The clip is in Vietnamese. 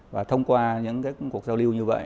và thông qua những cuộc giao lưu như vậy